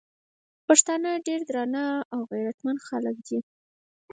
پښتانه ډير درانه او عزتمن خلک دي